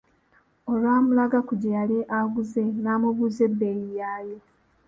Olwamulaga ku gye yali aguze, n'amubuuza ebbeeyi yaayo.